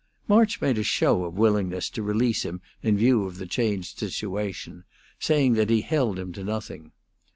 March made a show of willingness to release him in view of the changed situation, saying that he held him to nothing.